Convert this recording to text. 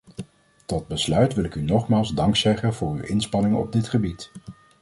Tot besluit wil ik u nogmaals dankzeggen voor uw inspanningen op dit gebied.